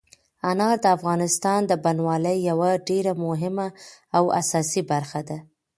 انار د افغانستان د بڼوالۍ یوه ډېره مهمه او اساسي برخه ده.